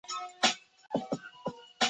常用进程同步原语实现数据同步。